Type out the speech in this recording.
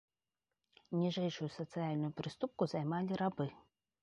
Ніжэйшую сацыяльную прыступку займалі рабы.